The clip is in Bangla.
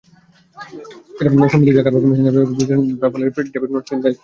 সম্প্রতি জাকারবার্গ মেসেঞ্জার বিভাগ পরিচালনার জন্য পেপ্যালের ডেভিড মার্কাসকে নিয়োগ দিয়েছে ফেসবুক।